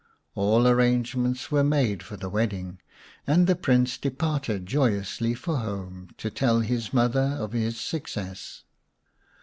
All arrangements were made for the wedding, and the Prince departed joyously for home, to tell his mother of his success.